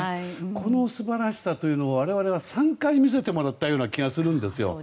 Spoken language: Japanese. この素晴らしさというのを我々は３回見せてもらったような気がするんですよ。